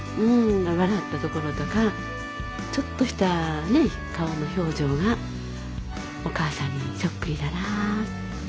笑ったところとかちょっとしたね顔の表情がお母さんにそっくりだなぁ。